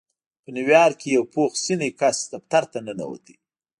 په نيويارک کې يو پوخ سنی کس دفتر ته ننوت.